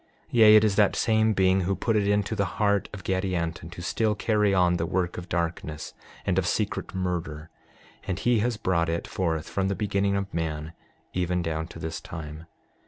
6:29 Yea, it is that same being who put it into the heart of Gadianton to still carry on the work of darkness, and of secret murder; and he has brought it forth from the beginning of man even down to this time.